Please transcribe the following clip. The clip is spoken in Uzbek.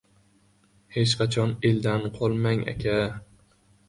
Hech qachon eldan qolmang, aka.